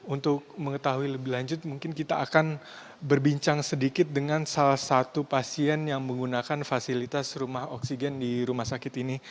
untuk mengetahui lebih lanjut mungkin kita akan berbincang sedikit dengan salah satu pasien yang menggunakan fasilitas rumah oksigen di rumah sakit ini